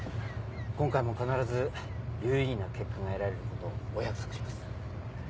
今回も必ず有意義な結果が得られることをお約束します。